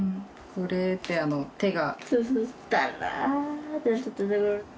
これって手が。